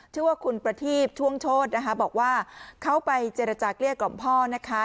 ชื่อว่าคุณประทีบช่วงโชธนะคะบอกว่าเขาไปเจรจาเกลี้ยกล่อมพ่อนะคะ